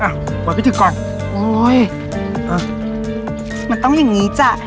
อ่ะเดี๋ยวพี่ถึกก่อนโอ้ยเอามันต้องอย่างงี้จ้ะ